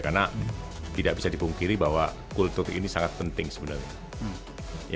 karena tidak bisa dipungkiri bahwa kultur ini sangat penting sebenarnya